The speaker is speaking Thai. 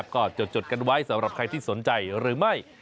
ก็จดกันไว้สำหรับใครที่สนใจหรือไม่